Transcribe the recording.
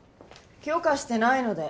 許可してないので。